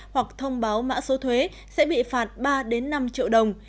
hoặc thông báo mã số thuế sẽ bị phạt ba năm triệu đồng